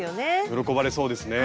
喜ばれそうですね。